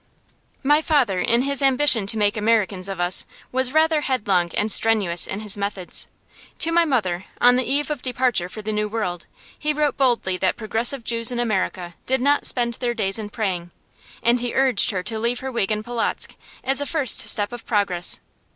My father, in his ambition to make Americans of us, was rather headlong and strenuous in his methods. To my mother, on the eve of departure for the New World, he wrote boldly that progressive Jews in America did not spend their days in praying; and he urged her to leave her wig in Polotzk, as a first step of progress.